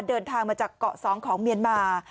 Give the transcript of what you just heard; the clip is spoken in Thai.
เดินทางมาจากเกาะ๒ของเมียนมา